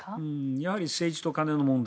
やはり政治と金の問題。